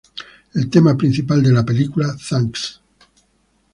El tema principal de la película, Thanks!